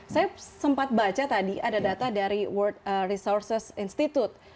saya sempat baca tadi ada data dari world resources institute